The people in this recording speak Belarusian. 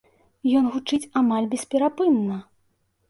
Ён гучыць амаль бесперапынна.